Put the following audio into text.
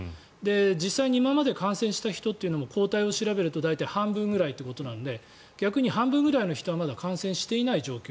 実際に今まで感染した人も抗体を調べると大体半分ぐらいということなので逆に半分ぐらいの人はまだ感染していない状況。